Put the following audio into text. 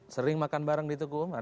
sering makan bareng di tuku umar